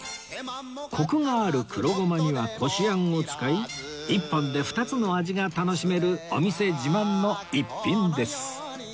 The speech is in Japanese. コクがある黒ごまにはこしあんを使い１本で２つの味が楽しめるお店自慢の逸品です